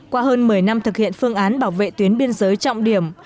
qua hơn một mươi năm thực hiện phương án bảo vệ tuyến biên giới trọng điểm